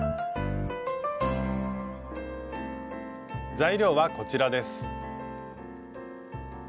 材料はこちらです。